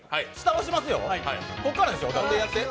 ここからでしょ。